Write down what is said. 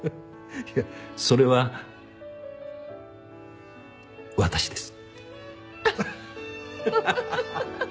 いやそれは私です。